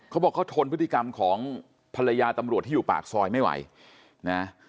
เขาบอกเขาทนพฤติกรรมของภรรยาตำรวจที่อยู่ปากซอยไม่ไหวนะ